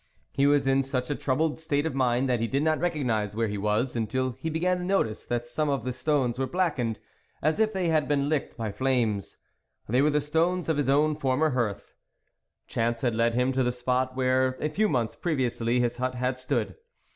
He was in such a troubled state of mind that he did not recognise where he was, until he began to notice that some of the stones were blackened, as if they had been licked by flames ; they were the stones of his own former hearth. Chance had led him to the spot where a few months previously his hut had stood.